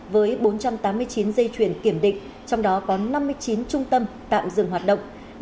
với bốn trăm tám mươi chín dây chuyển kiểm định trong đó có năm mươi chín trung tâm tạm dừng hoạt động